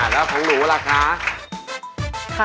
แล้วของหนูล่ะคะ